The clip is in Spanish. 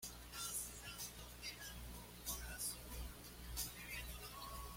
Son árboles, de medianos a grandes.